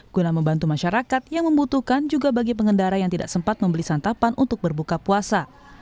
guna membantu masyarakat yang membutuhkan juga bagi pengendara yang tidak sempat membeli santapan untuk berbuka puasa